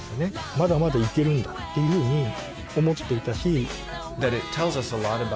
まだまだいけるんだっていうふうに思っていたし。